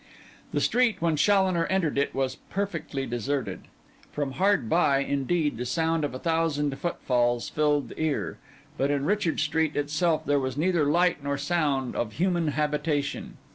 The street when Challoner entered it was perfectly deserted. From hard by, indeed, the sound of a thousand footfalls filled the ear; but in Richard Street itself there was neither light nor sound of human habitation.